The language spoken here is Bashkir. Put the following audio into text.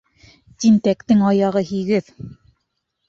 Тинтәктең аяғы һигеҙ.